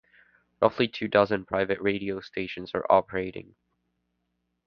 Roughly two dozen private radio stations are operating.